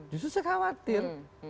justru saya khawatir